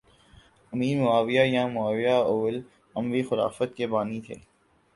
امیر معاویہ یا معاویہ اول اموی خلافت کے بانی تھے